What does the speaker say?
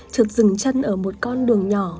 trượt rừng chân ở một con đường nhỏ